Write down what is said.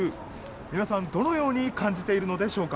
皆さん、どのように感じているのでしょうか。